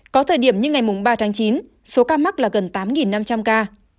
có thời điểm như ngày ba tháng chín số ca mắc là gần tám năm trăm linh ca